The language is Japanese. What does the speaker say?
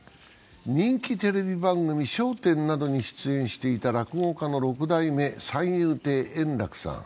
人気テレビ番組「笑点」などに出演していた落語家の六代目三遊亭円楽さん。